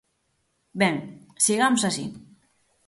Ben, sigamos así.